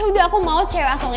ya udah aku mau cewek asongan